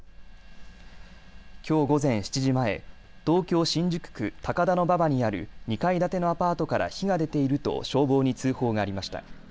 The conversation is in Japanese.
きょう午前７時前、東京新宿区高田馬場にある２階建てのアパートから火が出ていると消防に通報がありました。